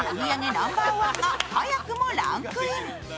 ナンバーワンが早くもランクイン。